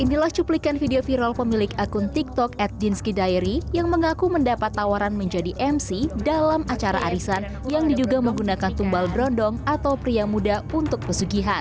inilah cuplikan video viral pemilik akun tiktok at dinski diary yang mengaku mendapat tawaran menjadi mc dalam acara arisan yang diduga menggunakan tumbal brondong atau pria muda untuk pesugihan